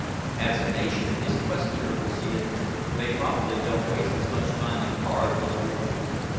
"As a nation," his questioner proceeded, "they probably don't waste as much time on cards as we do."